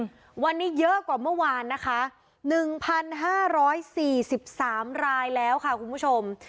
อืมวันนี้เยอะกว่าเมื่อวานนะคะหนึ่งพันห้าร้อยสี่สิบสามรายแล้วค่ะคุณผู้ชม